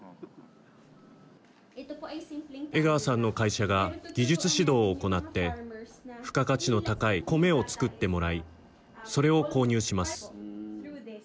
江川さんの会社が技術指導を行って付加価値の高いコメを作ってもらいそれを購入します。